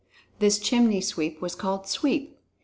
This Chimney Sweep was called "Sweep."